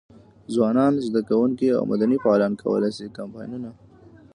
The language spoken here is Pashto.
ځوانان، زده کوونکي او مدني فعالان کولای شي کمپاینونه.